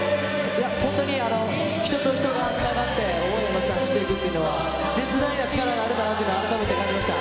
本当に人と人がつながって、思いを乗せて走っていくっていうのは、絶大な力があるんだなというのを改めて感じました。